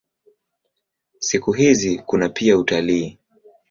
Siku hizi kuna pia utalii.